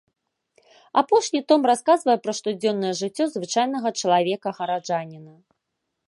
Апошні том расказвае пра штодзённае жыццё звычайнага чалавека-гараджаніна.